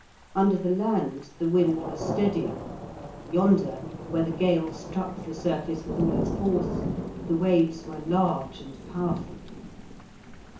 Under the land the wind was steady; yonder, where the gale struck the surface with all its force, the waves were large and powerful.